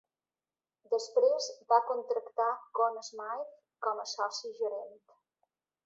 Després va contractar Conn Smythe com a soci gerent.